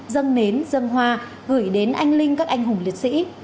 dâng nến dân hoa gửi đến anh linh các anh hùng liệt sĩ